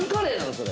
それ。